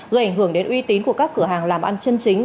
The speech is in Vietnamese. gây ảnh hưởng đến uy tín của các cửa hàng làm ăn chân chính